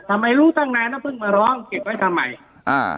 ทำไมรู้ตั้งนายน้ำพึ่งมาร้องเก็บไว้ทำไมอ่า